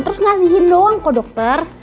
terus ngasihin doang kok dokter